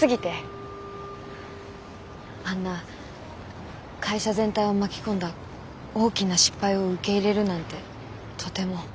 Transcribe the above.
あんな会社全体を巻き込んだ大きな失敗を受け入れるなんてとても。